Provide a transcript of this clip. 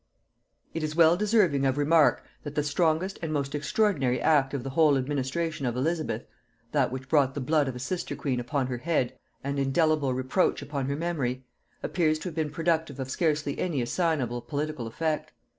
It is well deserving of remark, that the strongest and most extraordinary act of the whole administration of Elizabeth, that which brought the blood of a sister queen upon her head and indelible reproach upon her memory, appears to have been productive of scarcely any assignable political effect.